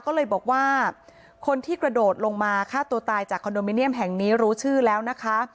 ก็เลยบอกว่าคนที่กระโดดลงมาฆ่าตัวตายจากคอนโดมิเนียมแห่งนี้รู้ชื่อแล้วนะคะ